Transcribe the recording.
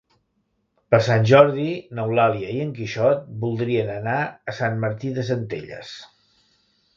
Per Sant Jordi n'Eulàlia i en Quixot voldrien anar a Sant Martí de Centelles.